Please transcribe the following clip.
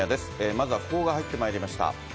まずは訃報が入ってまいりました。